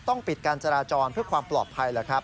ปิดการจราจรเพื่อความปลอดภัยแหละครับ